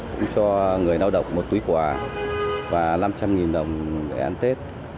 cũng cho người lao động một túi quà và năm trăm linh đồng để ăn tết